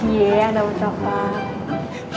iya ada mau coklat